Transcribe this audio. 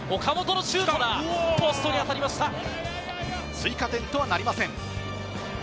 追加点とはなりません。